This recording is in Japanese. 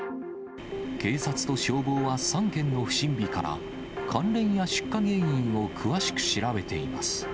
警察と消防は３件の不審火から、関連や出火原因を詳しく調べています。